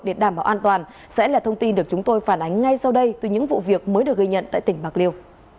để đảm bảo an toàn sẽ là thông tin được chúng tôi phản ánh ngay sau đây từ những vụ việc mới được ghi nhận tại tỉnh bạc liêu